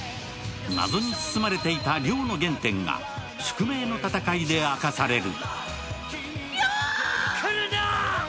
謎に包まれていたりょうの原点が宿命の戦いで明かされる。